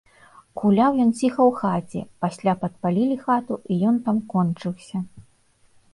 Гуляў ён ціха ў хаце, пасля падпалілі хату, і ён там кончыўся.